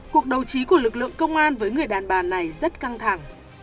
cuộc đầu trí của lực lượng công an với người đàn bà này rất căng thẳng